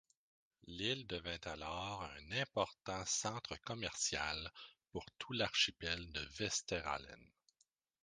L'île devint alors un important centre commercial pour tout l'archipel de Vesterålen.